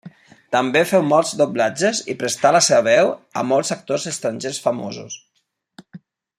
També feu molts doblatges i prestà la seua veu a molts actors estrangers famosos.